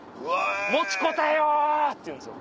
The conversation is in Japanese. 持ちこたえよ！」って言うんです。